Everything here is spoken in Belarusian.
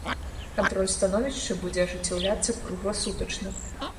Кантроль становішча будзе ажыццяўляцца кругласутачна.